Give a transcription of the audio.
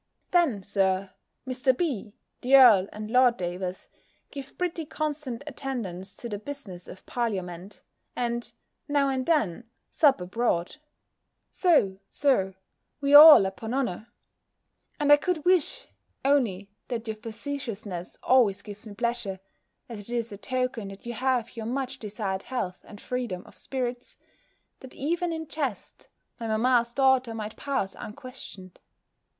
Then, Sir, Mr. B., the Earl, and Lord Davers, give pretty constant attendance to the business of parliament; and, now and then, sup abroad So, Sir, we are all upon honour; and I could wish (only that your facetiousness always gives me pleasure, as it is a token that you have your much desired health and freedom of spirits), that even in jest, my mamma's daughter might pass unquestioned.